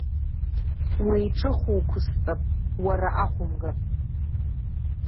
Уеиҿыхуқәысҵап, уара ахәымга!